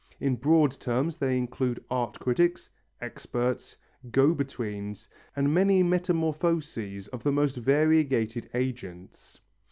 In broad terms they include art critics, experts, go betweens and many metamorphoses of the most variegated agents.